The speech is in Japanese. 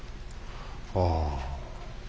ああ。